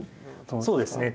そうですね。